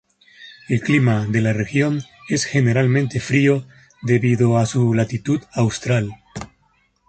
El clima de la región es generalmente frío debido a su latitud austral.